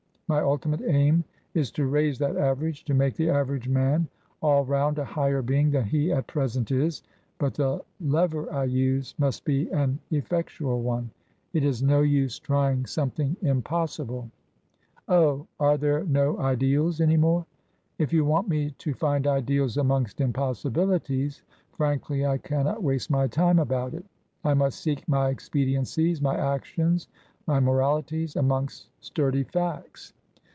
My ultimate aim is to raise that average — to make the average man all round a higher being than he at present is. But the lever I use must be an effectual one. It is no use trying something impossible/' " Oh ! Are there no ideals any more ?"" If you want me to find ideals amongst impossibilities, frankly, I cannot waste my time about it. I must seek my expediencies, my actions, my moralities amongst sturdy facts.